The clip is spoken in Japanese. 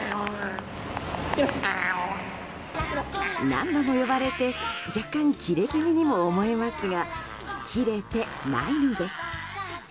何度も呼ばれて若干、キレ気味にも思えますがキレてないのです。